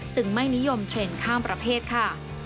ไม่นิยมเทรนด์ข้ามประเภทค่ะ